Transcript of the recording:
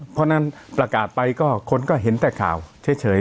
เพราะฉะนั้นประกาศไปก็คนก็เห็นแต่ข่าวเฉย